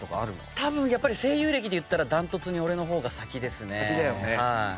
多分やっぱり声優歴で言ったら断トツに俺の方が先ですね。